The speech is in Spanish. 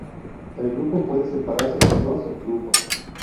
El grupo puede separarse en dos subgrupos.